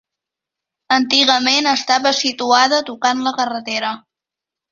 Antigament estava situada tocant la carretera.